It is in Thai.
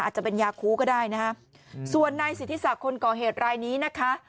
อาจจะเป็นยาคูก็ได้นะฮะส่วนในสิทธิษฐะคนก่อเหตุรายนี้นะคะ